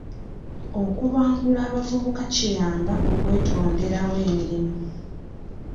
Okubangula abavubuka kibayamba okwetonderawo emirimu.